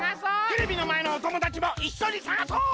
テレビのまえのおともだちもいっしょに探そう！